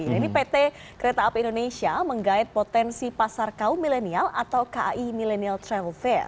ini pt kereta api indonesia menggait potensi pasar kaum milenial atau kai millennial travel fair